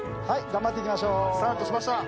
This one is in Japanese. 頑張っていきましょう！